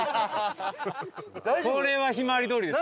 これはひまわり通りです。